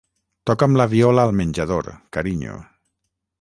Toca'm la viola al menjador, carinyo.